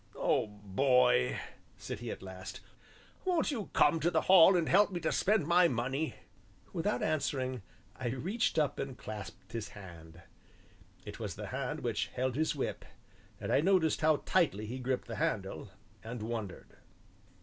"Oh, boy!" said he at last, "won't you come to the Hall and help me to spend my money?" Without answering I reached up and clasped his hand; it was the hand which held his whip, and I noticed how tightly he gripped the handle, and wondered.